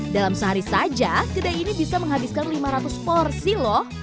dalam sehari saja kedai ini bisa menghabiskan lima ratus porsi loh